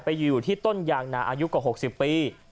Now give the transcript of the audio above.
ไปอยู่ที่ต้นยางนาอายุกว่า๖๐ปี